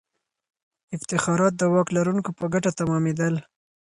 افتخارات د واک لرونکو په ګټه تمامېدل.